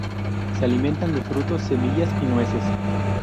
Se alimentan de frutos, semillas y nueces.